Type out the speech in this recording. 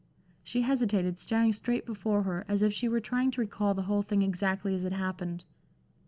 She hesitated, staring straight before her, as if she were trying to recall the whole thing exactly as it happened.